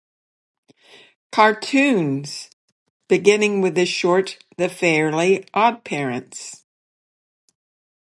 Cartoons", beginning with the short "The Fairly OddParents!".